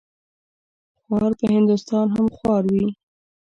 خوار په هندوستان هم خوار وي.